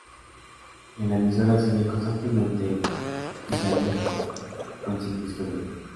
En la emisora se oye constantemente y Dalida consigue un disco de oro.